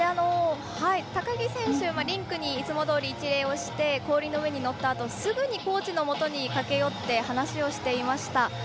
高木選手、リンクにいつもどおり一礼をして氷の上に乗ったあとすぐにコーチのもとに駆け寄って話をしていました。